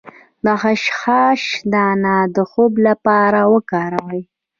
د خشخاش دانه د خوب لپاره وکاروئ